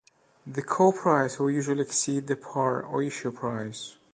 The call price will usually exceed the par or issue price.